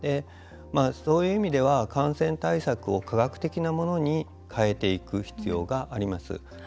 そういう意味では感染対策を科学的なものに変えていく必要があります。